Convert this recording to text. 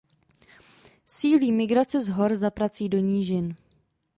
Sílí migrace z hor za prací do nížin.